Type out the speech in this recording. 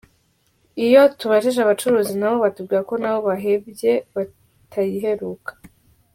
Iyo tubajije abacuruzi nabo batubwira ko nabo bahebye batayiheruka.